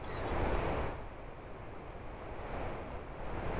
In turn, they may sometimes develop into simple bilabial consonants.